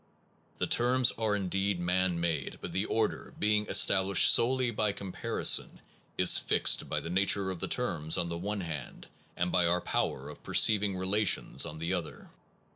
The terms are indeed man made, but the order, being established solely by comparison, is fixed by the nature of the terms on the one hand and by our power of per ceiving relations on the other.